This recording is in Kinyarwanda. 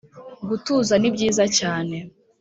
gutuza ni byiza cyane